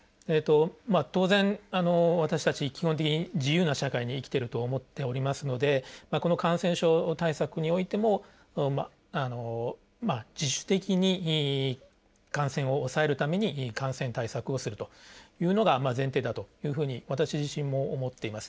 当然私たち基本的に自由な社会に生きてると思っておりますのでこの感染症対策においても自主的に感染を抑えるために感染対策をするというのが前提だというふうに私自身も思っています。